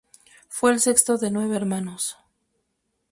Fue el sexto de nueve hermanos.